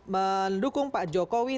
mendukung pak jokowi